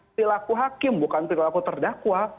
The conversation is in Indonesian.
perilaku hakim bukan perilaku terdakwa